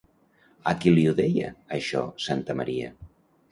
A qui li ho deia, això, Santamaría?